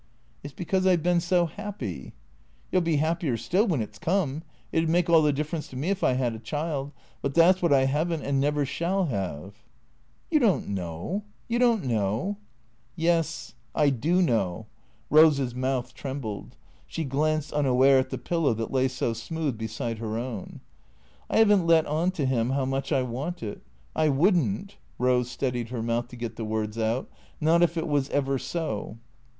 It 's because I 've been so happy." " You '11 be 'appier still when it 's come. It 'd make all the difference to me if I 'ad a child. But that 's wliat I have n't and never shall have." "You don't know. You don't know." " Yes. I do know." Rose's mouth trembled. She glanced unaware at the pillow that lay so smooth beside her own. " I 'ave n't let on to him how much I want it. I would n't " (Rose steadied her mouth to get the words out) ." Not if it was ever so."